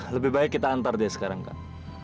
lebih baik kita antar dia sekarang kak